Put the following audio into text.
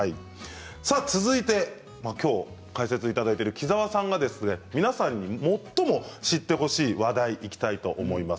続いて、きょう解説いただいている鬼沢さんが皆さんに最も知ってほしい話題にいきたいと思います。